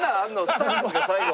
スタッフが最後。